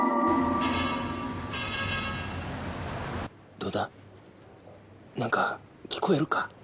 どうだなんか聞こえるか？